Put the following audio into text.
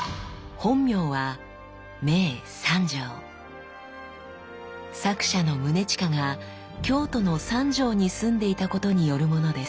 本名は作者の宗近が京都の三条に住んでいたことによるものです。